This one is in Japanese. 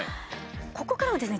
ここからはですね